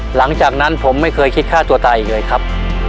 หลังจากนั้นผมไม่เคยคิดฆ่าตัวตายอีกเลยครับ